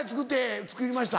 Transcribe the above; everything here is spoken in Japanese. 作りました。